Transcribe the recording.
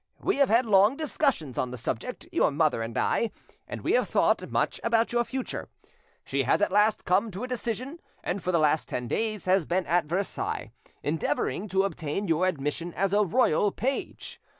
We have had long discussions on this subject—your mother and I—and we have thought much about your future; she has at last come to a decision, and for the last ten days has been at Versailles, endeavouring to obtain your admission as a royal page.